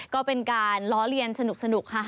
ก็เป็นการล้อเลียนสนุกค่ะ